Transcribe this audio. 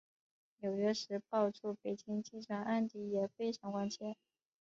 纽约时报驻北京记者安迪也非常关切。